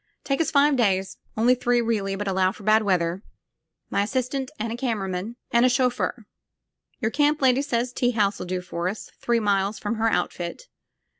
"Take us five days. Only three really, but allow for bad weather. My assistant and a camera man. And a chauffeur. Your camp lady says tea house 'U do for us, three miles from her outfit.